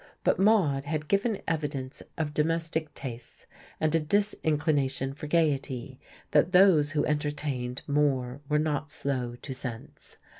But Maude had given evidence of domestic tastes and a disinclination for gaiety that those who entertained more were not slow to sense.